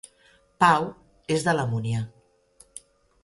Pau és de la Múnia